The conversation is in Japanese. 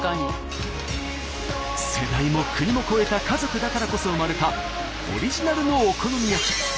世代も国も超えた家族だからこそ生まれたオリジナルのお好み焼き。